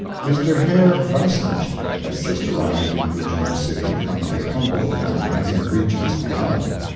—Mr. Herr Weisnicht has just arrived in Virginia City from the Humboldt mines and regions beyond.